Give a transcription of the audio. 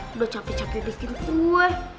udah capi capi bikin semua